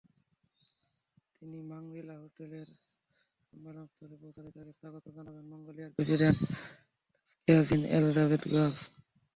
তিনি মাংরিলা হোটেলের সম্মেলনস্থলে পৌঁছালে তাঁকে স্বাগত জানাবেন মঙ্গোলিয়ার প্রেসিডেন্ট তাসখিয়াজিন এলবেগদর্জ।